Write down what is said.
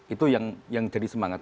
itu yang jadi semangat